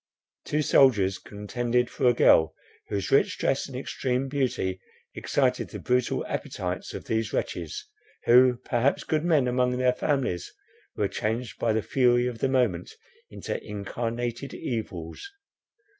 Two soldiers contended for a girl, whose rich dress and extreme beauty excited the brutal appetites of these wretches, who, perhaps good men among their families, were changed by the fury of the moment into incarnated evils.